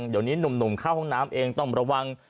เดี๋ยวนี้หนุ่มเข้าห้องน้ำเองต้องระวัง